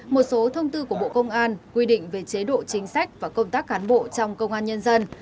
một số thông tư của bộ công an quy định về chế độ chính sách và công tác cán bộ trong công an nhân dân